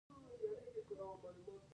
د ماشوم د ژیړي لپاره باید څه شی وکاروم؟